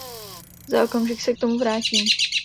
Za okamžik se k tomu vrátím.